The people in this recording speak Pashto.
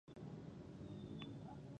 • د علیزي قوم ځوانان د راتلونکي امید دي.